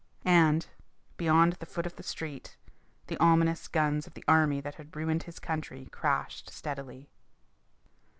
And, beyond the foot of the street, the ominous guns of the army that had ruined his country crashed steadily.